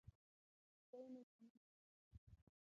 سپی مې په مینه لوبې کوي.